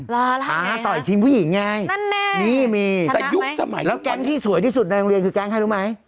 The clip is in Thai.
ละละทำไงฮะนั่นเนี่ยนี่มีแล้วแก๊งที่สวยที่สุดในโรงเรียนคือแก๊งใครรู้ไหม